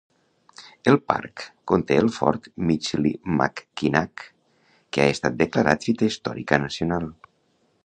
El parc conté el fort Michilimackinac, que ha estat declarat Fita Històrica Nacional.